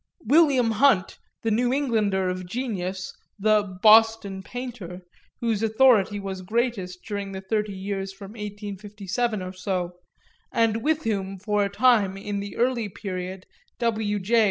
William Hunt, the New Englander of genius, the "Boston painter" whose authority was greatest during the thirty years from 1857 or so, and with whom for a time in the early period W. J.